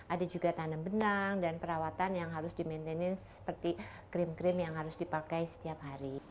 ada juga tanam benang dan perawatan yang harus di maintainin seperti krim krim yang harus dipakai setiap hari